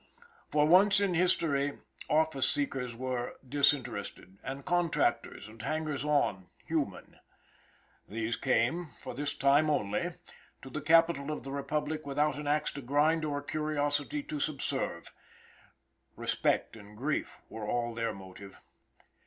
For once in history, office seekers were disinterested, and contractors and hangers on human. These came, for this time only, to the capital of the republic without an axe to grind or a curiosity to subserve; respect and grief were all their motive.